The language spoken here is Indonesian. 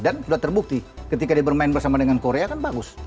dan sudah terbukti ketika dia bermain bersama dengan korea kan bagus